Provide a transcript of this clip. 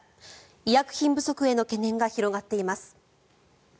医薬品不足への懸念が広がっています。